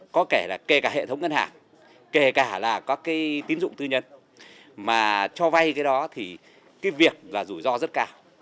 có kể là kể cả hệ thống ngân hàng kể cả là các cái tín dụng tư nhân mà cho vay cái đó thì cái việc và rủi ro rất cao